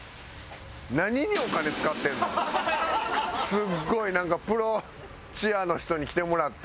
すごいなんかプロチアの人に来てもらって。